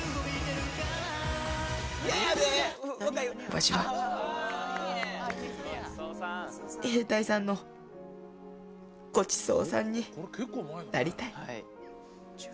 わしは兵隊さんのごちそうさんになりたい。